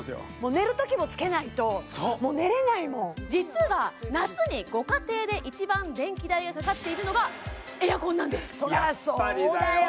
寝るときもつけないともう寝れないもん実は夏にご家庭で一番電気代がかかっているのがエアコンなんですそらそうだよ